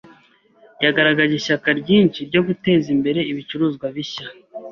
Yagaragaje ishyaka ryinshi ryo guteza imbere ibicuruzwa bishya.